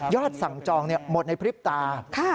สั่งจองหมดในพริบตา